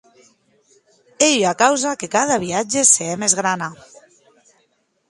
Ei ua causa que cada viatge se hè mès grana.